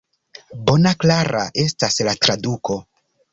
Bona, klara estas la traduko.